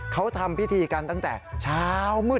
เขาทำพิธีกันตั้งแต่เช้ามืด